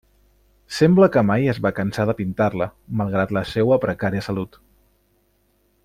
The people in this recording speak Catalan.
Sembla que mai es va cansar de pintar-la, malgrat la seua precària salut.